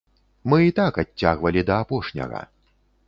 Мы і так адцягвалі да апошняга.